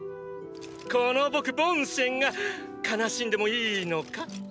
この僕ボンシェンが悲しんでもいいのか？